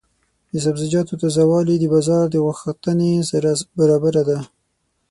د سبزیجاتو تازه والي د بازار د غوښتنې سره برابره ده.